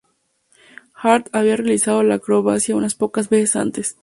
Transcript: Hart había realizado la acrobacia unas pocas veces antes.